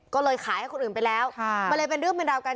ก็เลยขายให้คนอื่นไปแล้วมันเลยเป็นเรื่องเป็นราวกัน